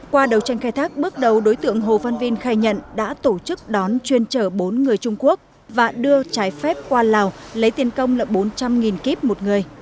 qua đầu tranh khai thác bước đầu đối tượng hồ văn vinh khai nhận đã tổ chức đón chuyên trở bốn người trung quốc và đưa trái phép qua lào lấy tiền công là bốn trăm linh kip một người